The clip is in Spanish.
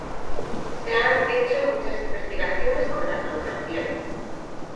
Se han hecho muchas investigaciones con la clonación.